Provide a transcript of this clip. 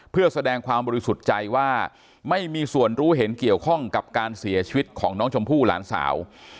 เพื่อแสดงความบริสุทธิ์ใจว่าไม่มีส่วนรู้เห็นเกี่ยวข้องกับการเสียชีวิตของน้องชมพู่หลานสาว